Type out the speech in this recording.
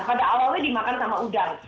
pada awalnya dimakan sama udang